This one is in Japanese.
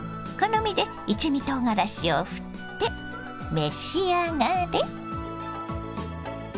好みで一味とうがらしをふって召し上がれ。